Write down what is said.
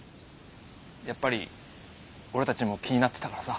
やっぱり俺たちも気になってたからさ。